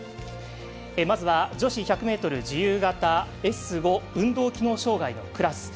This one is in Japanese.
まずは女子１００ｍ自由形Ｓ５運動機能障がいのクラス。